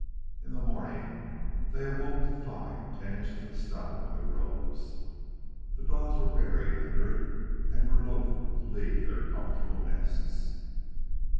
In the morning they awoke to find ten inches of snow on their robes. The dogs were buried under it and were loath to leave their comfortable nests.